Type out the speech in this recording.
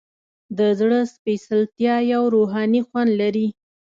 د زړه سپیڅلتیا یو روحاني خوند لري.